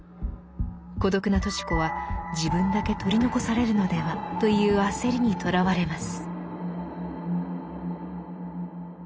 孤独なとし子は自分だけ取り残されるのではという焦りにとらわれます。